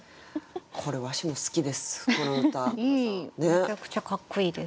めちゃくちゃかっこいいです。